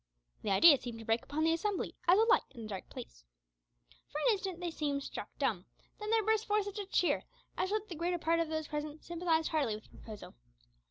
The idea seemed to break upon the assembly as a light in a dark place. For a moment they seemed struck dumb; then there burst forth such a cheer as showed that the greater part of those present sympathised heartily with the proposal.